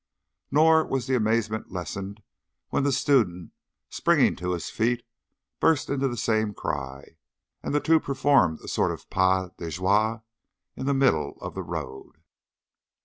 Nor was the amazement lessened when the student, springing to his feet, burst into the same cry, and the two performed a sort of pas de joie in the middle of the road.